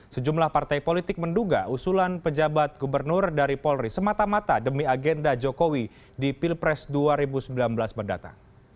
sejumlah partai politik menduga usulan pejabat gubernur dari polri semata mata demi agenda jokowi di pilpres dua ribu sembilan belas berdata